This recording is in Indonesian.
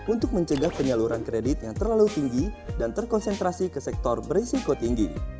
untuk mencegah penyaluran kredit yang terlalu tinggi dan terkonsentrasi ke sektor berisiko tinggi